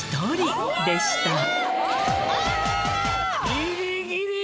ギリギリ！